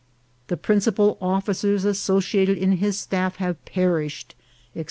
The principal officers associated in his staff have perished, &c.